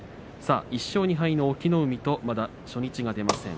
１勝２敗の隠岐の海とまだ初日が出ません